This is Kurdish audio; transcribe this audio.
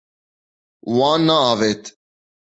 Wan neavêt.